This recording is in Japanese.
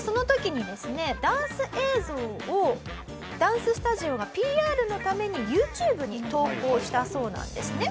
その時にですねダンス映像をダンススタジオがＰＲのためにＹｏｕＴｕｂｅに投稿したそうなんですね。